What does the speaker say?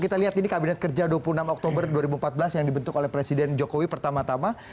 kita lihat ini kabinet kerja dua puluh enam oktober dua ribu empat belas yang dibentuk oleh presiden jokowi pertama tama